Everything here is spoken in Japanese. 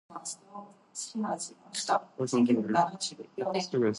刻々と死に迫る人の命のはかなさ。また、悲しみにうち沈むたとえ。